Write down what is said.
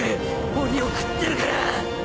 鬼を食ってるから